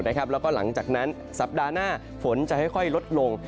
แล้วก็หลังจากนั้นสัปดาห์หน้าฝนจะค่อยลดลง